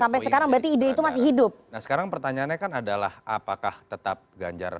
sampai sekarang berarti ide itu masih hidup nah sekarang pertanyaannya kan adalah apakah tetap ganjar